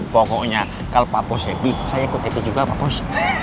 pokoknya kalau pak pos hebi saya ikut itu juga pak pos